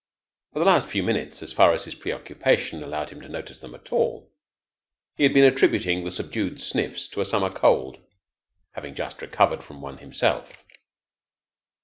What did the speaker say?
For the last few minutes, as far as his preoccupation allowed him to notice them at all, he had been attributing the subdued sniffs to a summer cold, having just recovered from one himself.